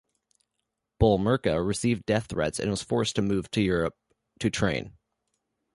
Boulmerka received death threats and was forced to move to Europe to train.